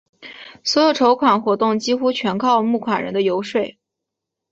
所有的筹款活动几乎全靠募款人的游说。